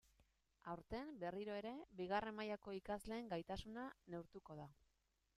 Aurten, berriro ere, bigarren mailako ikasleen gaitasuna neurtuko da.